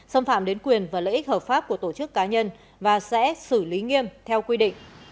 xâm phạm đến quyền và lợi ích hợp pháp của tổ chức cá nhân và sẽ xử lý nghiêm theo quy định